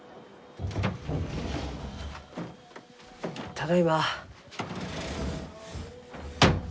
ただいま。